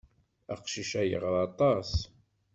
Aqcic-a yeɣra aṭas.